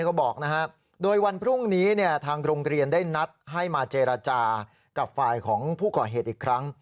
เขาบอกนะฮะโดยวันพรุ่งนี้เนี่ยทางโรงเรียนได้นัดให้มาเจรจากับฝ่ายของผู้ก่อเหตุอีกครั้ง